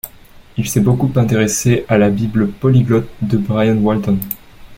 Il s'est beaucoup intéressé à la bible polyglotte de Brian Walton.